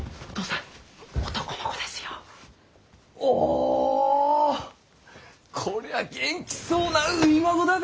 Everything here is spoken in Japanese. おぉこりゃ元気そうな初孫だで。